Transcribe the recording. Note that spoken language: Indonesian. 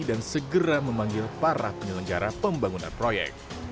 dan segera memanggil para penyelenggara pembangunan proyek